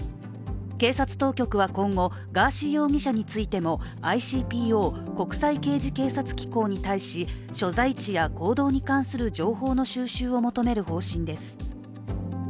警察当局は今後、ガーシー容疑者についてもＩＣＰＯ＝国際刑事警察機構に対し、所在地や行動に関する情報の収集を求める方針です。